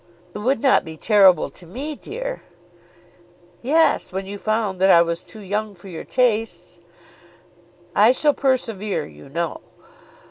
"It would not be terrible to me, dear." "Yes; when you found that I was too young for your tastes." "I shall persevere, you know.